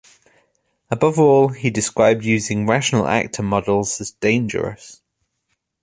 Above all, he described using rational actor models as dangerous.